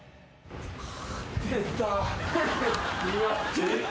出た。